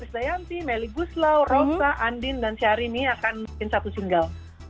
chris dayanti meli guslau rosa andin dan syarini akan bikin satu single